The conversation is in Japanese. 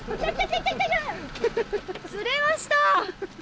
釣れました！